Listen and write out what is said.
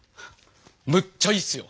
むっちゃいいっすよ！